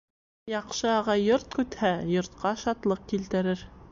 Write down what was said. Яҡшы ағай йорт көтһә, йортҡа шатлыҡ килтерер